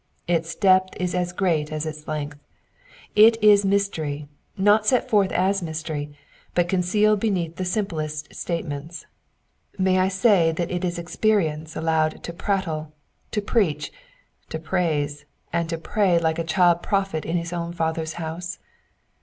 Its depth is as great as its length ; it is mystery, not set forth as mystery, but concealed beneath the simplest statements ; may I say that it is experience allowed to prattle, to preach, to praise, and to pray like a child prophet in his own father's house